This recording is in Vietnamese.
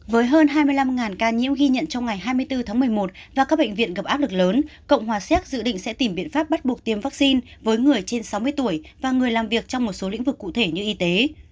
với hơn hai mươi năm ca nhiễm ghi nhận trong ngày hai mươi bốn tháng một mươi một và các bệnh viện gặp áp lực lớn cộng hòa séc dự định sẽ tìm biện pháp bắt buộc tiêm vaccine với người trên sáu mươi tuổi và người làm việc trong một số lĩnh vực cụ thể như y tế